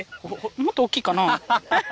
もっと大きいかなぁ？